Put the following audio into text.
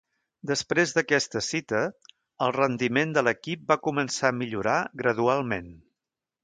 Després d'aquesta cita, el rendiment de l'equip va començar a millorar gradualment.